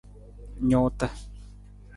Nuuta.